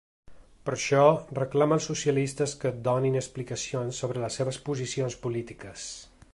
Per això, reclama als socialistes que ‘donin explicacions sobre les seves posicions polítiques’.